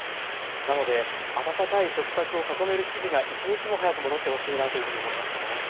なので、温かい食事を囲める日々が一日も早く戻ってほしいなと思いました。